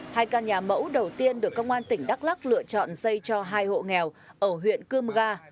hai căn nhà mẫu đầu tiên được công an tỉnh đắk lắc lựa chọn xây cho hai hộ nghèo ở huyện cơm ga